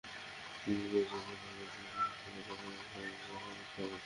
নিহত ব্যক্তির স্ত্রী ফেরদৌসী বেগমের ভাষ্য, তাঁর স্বামী রাজমিস্ত্রির কাজ করে সংসার চালান।